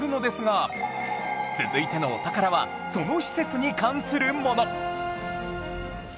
続いてのお宝はその施設に関するもの